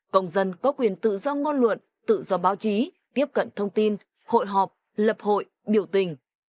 cộng dân có quyền tự do ngôn luận tự do báo chí tiếp cận thông tin hội họp lập hội biểu tình